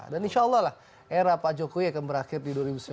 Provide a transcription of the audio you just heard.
insya allah lah era pak jokowi akan berakhir di dua ribu sembilan belas